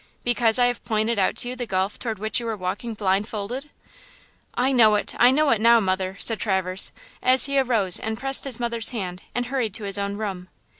"Because I have pointed out to you the gulf toward which you were walking blindfolded!" "I know it! I know it now, mother," said Traverse, as he arose and pressed his mother's hand and hurried to his own room.